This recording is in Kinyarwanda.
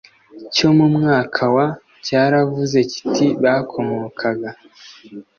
cyo mu mwaka wa cyaravuze kiti bakomokaga